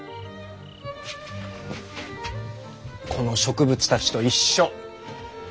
この植物たちと一緒。